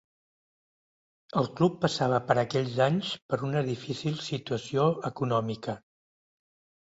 El club passava per aquells anys per una difícil situació econòmica.